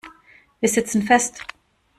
Wir sitzen fest.